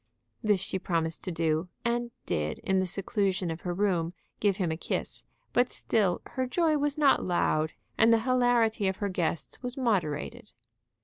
This she promised to do, and did, in the seclusion of her room, give him a kiss. But still her joy was not loud, and the hilarity of her guests was moderated.